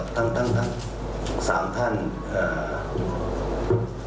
ทั้งทั้งทั้งสามท่านอ่า